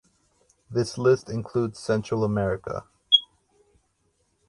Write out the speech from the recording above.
This list includes Central America.